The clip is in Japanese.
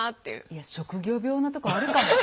いや職業病なとこあるかも。